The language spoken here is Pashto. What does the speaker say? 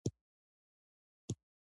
ستا د خوښې پښتو شاعر څوک دی؟